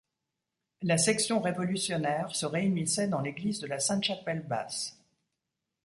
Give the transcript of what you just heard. La section Révolutionnaire se réunissait dans l’église de la Sainte-Chapelle-Basse.